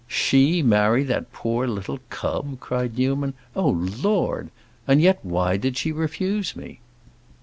"She marry that poor little cub!" cried Newman. "Oh, Lord! And yet, why did she refuse me?"